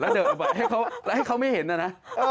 แล้วเดินออกมาให้เขาไม่เห็นนะ